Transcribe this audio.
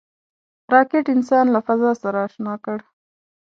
راکټ انسان له فضا سره اشنا کړ